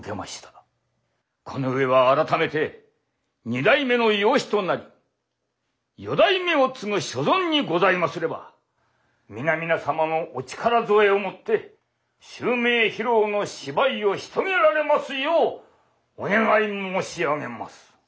この上は改めて二代目の養子となり四代目を継ぐ所存にございますれば皆々様のお力添えをもって襲名披露の芝居をしとげられますようお願い申し上げます。